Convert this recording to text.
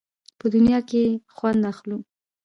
په دنیا کې یې خوند اخلو.